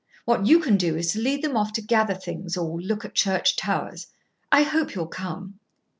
What you can do is to lead them off to gather things or look at church towers. I hope you'll come."